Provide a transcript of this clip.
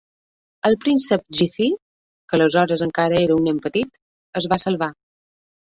El Príncep Jizi, que aleshores encara era un nen petit, es va salvar.